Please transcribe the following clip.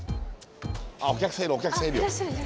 あっお客さんいるお客さんいるよ。